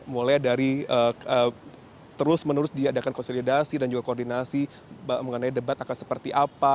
mulai dari terus menerus diadakan konsolidasi dan juga koordinasi mengenai debat akan seperti apa